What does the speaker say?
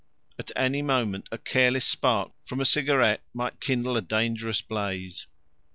At any moment a careless spark from a cigarette might kindle a dangerous blaze.